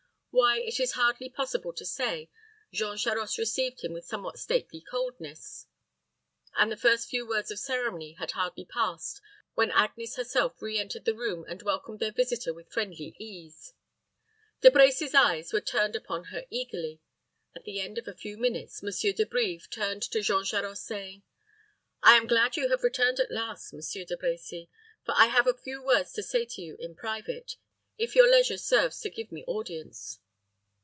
Why, it is hardly possible to say, Jean Charost received him with somewhat stately coldness; and the first few words of ceremony had hardly passed, when Agnes herself re entered the room and welcomed their visitor with friendly ease. De Brecy's eyes were turned upon her eagerly. At the end of a few minutes, Monsieur De Brives turned to Jean Charost, saying, "I am glad you have returned at last, Monsieur De Brecy; for I have a few words to say to you in private, if your leisure serves to give me audience."